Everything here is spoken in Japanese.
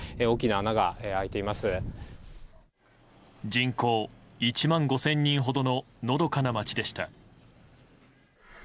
人口１万５０００人ほどののどかな街でした。